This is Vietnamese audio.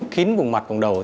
khiến vùng mặt vùng đầu